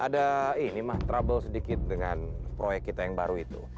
ada ini mah trouble sedikit dengan proyek kita yang baru itu